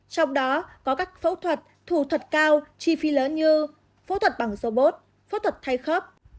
trong đó có các phẫu thuật thủ thuật cao chi phí lớn như phẫu thuật bằng robot phẫu thuật thay khớp